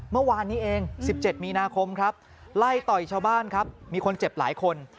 เมื่อวานนี้เอง๑๗มีนาคมครับไล่ต่อยชาวบ้านครับมีคนเจ็บหลายคน